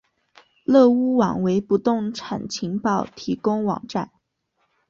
乐屋网为不动产情报提供网站。